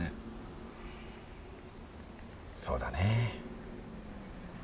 そうだねぇ。